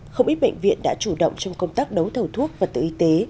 không ít bệnh viện đã chủ động trong công tác đấu thầu thuốc và tự y tế